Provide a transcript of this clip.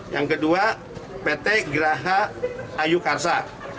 yang kedua pt graha ayu karsa